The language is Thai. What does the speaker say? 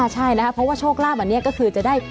ใช่นะคะเพราะว่าโชคลาภอันนี้ก็คือจะได้